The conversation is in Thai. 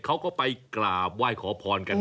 เขาก็ไปกราบไหว้ขอพรกัน